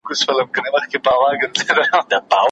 مور یې کړله په یوه ګړي پر بوره